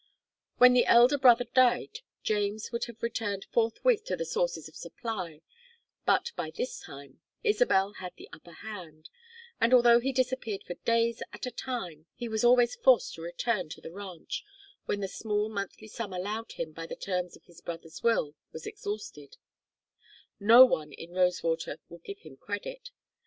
When the elder brother died James would have returned forthwith to the sources of supply, but by this time Isabel had the upper hand, and although he disappeared for days at a time, he was always forced to return to the ranch when the small monthly sum allowed him by the terms of his brother's will was exhausted; no one in Rosewater would give him credit.